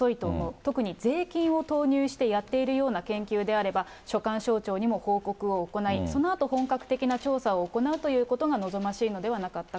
特に税金を投入してやっているような研究であれば、所管省庁にも報告を行い、そのあと本格的な調査を行うということが望ましいのではなかったか。